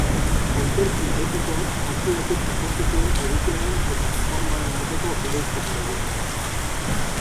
Antzerki epikoak hasieratik apurtu zuen edukiaren eta formaren arteko bereizketarekin.